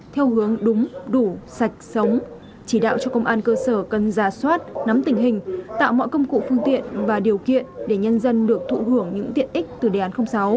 theo hướng đúng đủ sạch sống chỉ đạo cho công an cơ sở cần ra soát nắm tình hình tạo mọi công cụ phương tiện và điều kiện để nhân dân được thụ hưởng những tiện ích từ đề án sáu